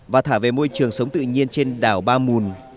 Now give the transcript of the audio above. và thả về môi trường sống tự nhiên trên đảo ba mùn